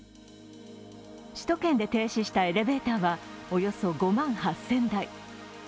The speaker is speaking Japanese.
首都圏で停止したエレベーターはおよそ５万８０００台。